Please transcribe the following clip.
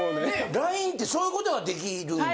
ＬＩＮＥってそういう事ができるんや。